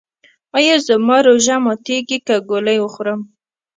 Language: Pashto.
ایا زما روژه ماتیږي که ګولۍ وخورم؟